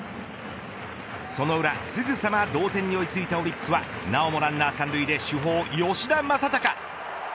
その裏、すぐさま同点に追いついたオリックスはなおもランナー３塁で主砲を吉田正尚。